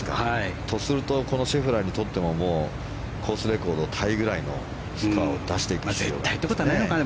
とするとこのシェフラーにとってもコースレコードタイぐらいのスコアを出していかないと。絶対ということはないのかな。